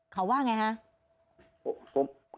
เขาว่าไงคะ